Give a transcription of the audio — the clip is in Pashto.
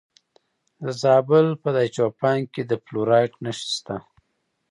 د زابل په دایچوپان کې د فلورایټ نښې شته.